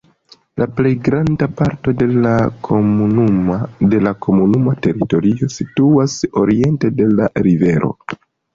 La plej granda parto de la komunuma teritorio situas oriente de la rivero.